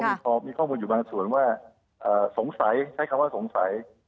มีพอมีข้อมูลอยู่บางส่วนว่าสงสัยใช้คำว่าสงสัย